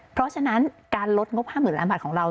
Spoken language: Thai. เพราะฉะนั้นการลดงบ๕๐๐๐ล้านบาทของเรา